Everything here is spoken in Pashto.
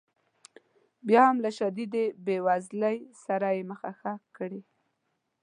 بیا هم له شدیدې بې وزلۍ سره یې مخه ښه کړې.